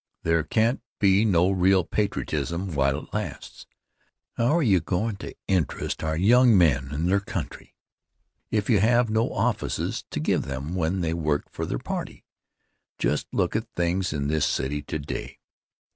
There can't be no real patriotism while it lasts. How are you goin' to interest our young men in their country if you have no offices to give them when they work for their party? Just look at things in this city today.